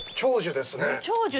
長寿。